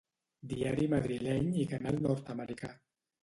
Diari madrileny i canal nord-americà.